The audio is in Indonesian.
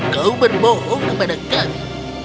kau berbohong kepada kami